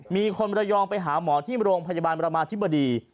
มีคนระยองไปหาหมอที่โรงพยาบาลประมาธิบดี